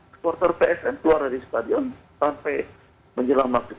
sporter psm keluar dari stadion sampai menjelang maksimal